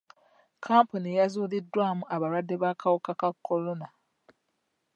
Kampuuni yazuuliddwamu abalwadde b'akawuka ka kolona.